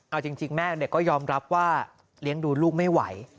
เอาจริงแม่ก็ยอมรับว่าเลี้ยงดูลูกไม่ไหว